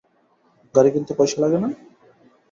গাড়ি কিনতে পয়সা লাগে না?